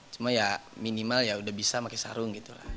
cuma ya minimal ya udah bisa pakai sarung